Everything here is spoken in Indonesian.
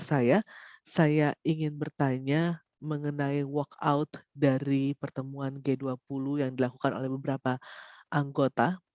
saya saya ingin bertanya mengenai walkout dari pertemuan g dua puluh yang dilakukan oleh beberapa anggota